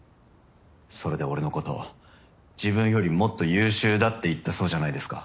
それで俺のことを自分よりもっと優秀だって言ったそうじゃないですか。